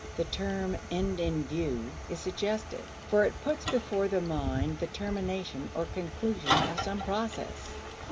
The term end in view is suggestive, for it puts before the mind the termination or conclusion of some process.